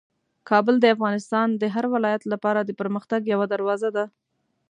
کابل د افغانستان د هر ولایت لپاره د پرمختګ یوه دروازه ده.